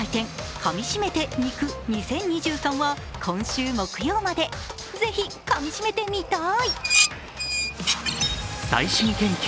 「かみしめて、肉２０２３」は今週木曜までぜひかみしめてみたい！